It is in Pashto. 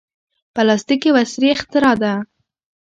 پلاستيک یو عصري اختراع ده.